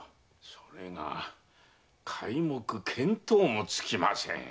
それが皆目見当もつきません。